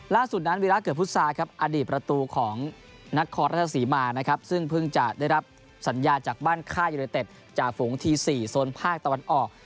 ล่าสุดนั้นวีระเกิดพุทธศาครับอดีตประตูของนครราชสีมานะครับซึ่งเพิ่งจะได้รับสัญญาจากบ้านค่ายยูเนเต็ดจ่าฝูงที๔โซนภาคตะวันออก